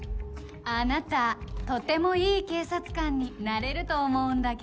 「あなたとてもいい警察官になれると思うんだけど」